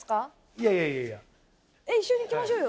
いやいやいやいやえっ一緒に行きましょうよ